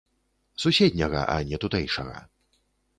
Суседняга, а не тутэйшага.